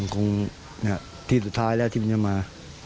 กลับมาที่สุดท้ายแล้วที่มา